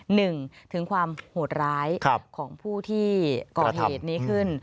หนึ่งถึงความโหดร้ายของผู้ที่ก่อเหตุนี้ขึ้น